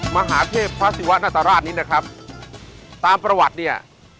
มหาเทพพระศิวะนาศราชนี้นะครับตามประวัติเนี่ย